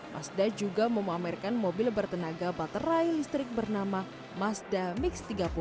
mazda juga memamerkan mobil bertenaga baterai listrik bernama mazda mix tiga puluh